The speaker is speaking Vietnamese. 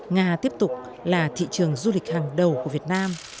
nga tiếp tục là thị trường du lịch hàng đầu của việt nam